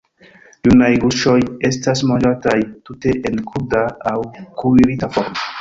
Junaj guŝoj estas manĝataj tute en kruda aŭ kuirita formo.